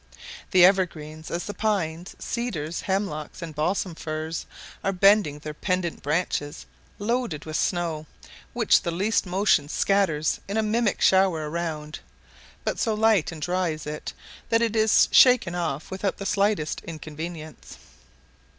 The evergreens, as the pines, cedars, hemlock, and balsam firs, are bending their pendent branches, loaded with snow, which the least motion scatters in a mimic shower around, but so light and dry is it that it is shaken off without the slightest inconvenience.